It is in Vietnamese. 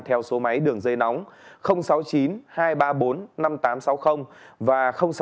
theo số máy đường dây nóng sáu mươi chín hai trăm ba mươi bốn năm nghìn tám trăm sáu mươi và sáu mươi chín hai trăm ba mươi hai một nghìn sáu trăm bảy